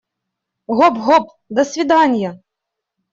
Гоп-гоп, до свиданья!